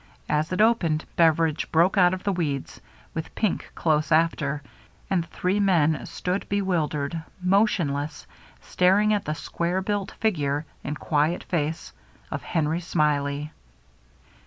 As it opened, Beveridge broke out of the weeds, with Pink close after, and the three men stood bewildered, motionless, staring at the square built figure and quiet face of — Henry Smiley.